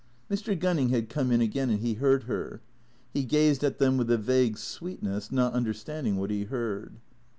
Mr. Gunning had come in again and he heard her. He gazed at them with a vague sweetness, not understanding what he heard.